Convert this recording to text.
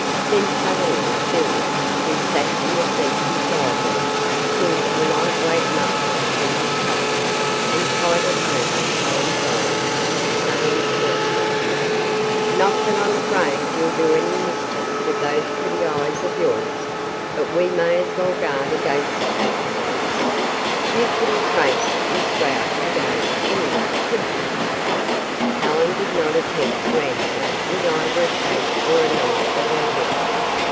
Then suddenly "Bill," who sat in the seat beside her, pulled a light weight muffler from his pocket and tied it over Helen's eyes, saying coarsely: "Not that I'm afraid you'll do any mischief with those pretty eyes of yours, but we may as well guard against accidents. You couldn't trace this route again, anyway, could you?" Helen did not attempt to answer with either a shake or a nod of her head.